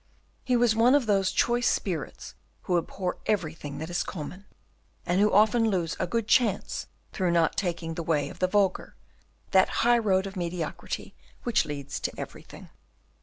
He was one of those choice spirits who abhor everything that is common, and who often lose a good chance through not taking the way of the vulgar, that high road of mediocrity which leads to everything.